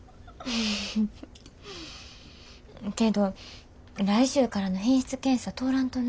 けど来週からの品質検査通らんとな。